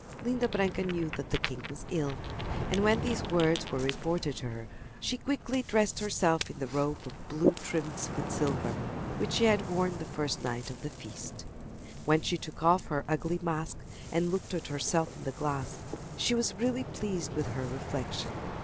Linda Branca knew that the king was ill, and when these words were reported to her she quickly dressed herself in the robe of blue trimmed with silver, which she had worn the first night of the feast. When she took off her ugly mask and looked at herself in the glass she was really pleased with her reflection.